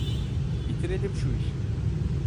Bitirelim şu işi.